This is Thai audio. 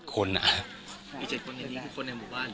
๗คนนี่คือคนในบ้านหรือเปล่า